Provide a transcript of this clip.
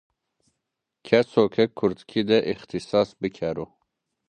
Keso ke kurdkî de îxtîsas bikero